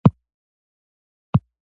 د کوکو دانه د زړه لپاره وکاروئ